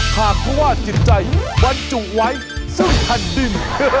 ข้าควาดจิตใจวันจุไหวซึ่งทันติด